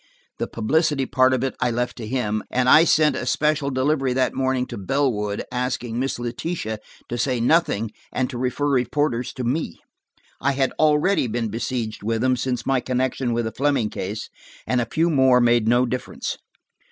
The publicity part of it I left to him, and I sent a special delivery that morning to Bellwood, asking Miss Letitia to say nothing and to refer reporters to me. I had already been besieged with them, since my connection with the Fleming case, and a few more made no difference.